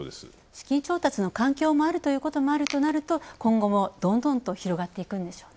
資金調達の環境もあるとなると、今後もどんどんと広がっていくんでしょうね。